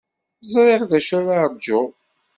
Ẓriɣ d acu ara ṛjuɣ.